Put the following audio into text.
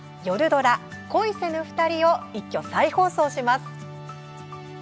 ドラ「恋せぬふたり」を一挙再放送します。